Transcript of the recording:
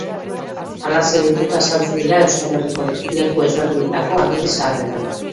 Halaxe deituta azaltzen dira Euskal Herriko leku ezberdinetako agiri zaharretan.